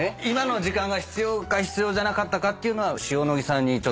今の時間が必要か必要じゃなかったかというのはシオノギさんに。